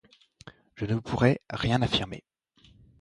Je ne pourrais rien affirmer.